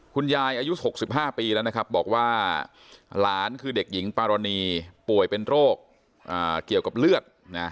อายุ๖๕ปีแล้วนะครับบอกว่าหลานคือเด็กหญิงปารณีป่วยเป็นโรคเกี่ยวกับเลือดนะ